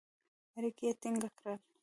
اړیکي یې ټینګ کړل.